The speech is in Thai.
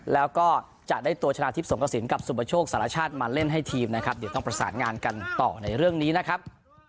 แล้วก็จะได้ตัวชนะทิพย์สงกระสินกับสุปโชคสารชาติมาเล่นให้ทีมนะครับเดี๋ยวต้องประสานงานกันต่อในเรื่องนี้นะครับ